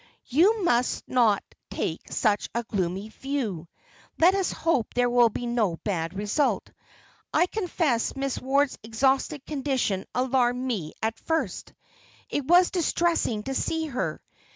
"You must not take such a gloomy view. Let us hope there will be no bad result. I confess Miss Ward's exhausted condition alarmed me at first. It was distressing to see her.